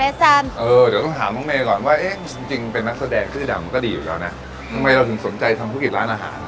เดี๋ยวต้องถามน้องเมย์ก่อนว่าเอ๊ะจริงจริงเป็นนักแสดงชื่อดังมันก็ดีอยู่แล้วนะทำไมเราถึงสนใจทำธุรกิจร้านอาหาร